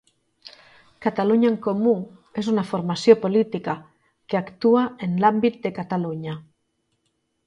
Catalunya en Comú és una formació política que actua en l'àmbit de Catalunya.